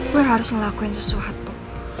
bersama orang baru